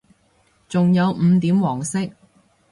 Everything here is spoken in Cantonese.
仲有五點黃色